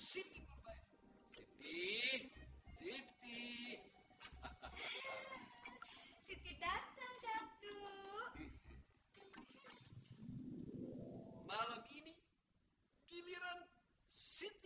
semalam setiap belakang sekarang